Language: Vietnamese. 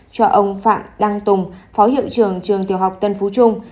cho ông phạm đăng tùng phó hiệu trưởng trường tiểu học tân phú trung